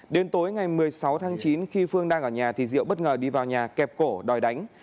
đến tối ngày một mươi sáu tháng chín khi phương đang ở nhà thì diệu bất ngờ đi vào nhà kẹp cổ đòi đánh